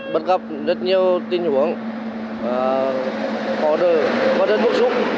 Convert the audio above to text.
bất gặp rất nhiều tin hưởng khó đời và rất bức xúc